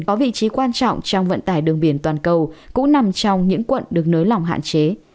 có vị trí quan trọng trong vận tải đường biển toàn cầu cũng nằm trong những quận được nới lỏng hạn chế